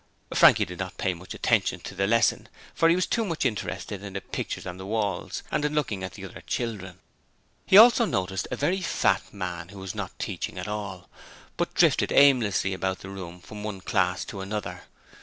Frankie did not pay much attention to the lesson, for he was too much interested in the pictures on the walls and in looking at the other children. He also noticed a very fat man who was not teaching at all, but drifted aimlessly about he room from one class to another.